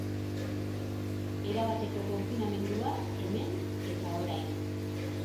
Erabateko konfinamendua hemen eta orain.